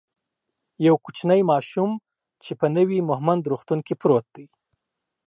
یو کوچنی ماشوم چی په نوی مهمند روغتون کی پروت دی